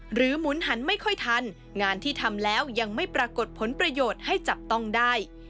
หมุนหันไม่ค่อยทันงานที่ทำแล้วยังไม่ปรากฏผลประโยชน์ให้จับต้องได้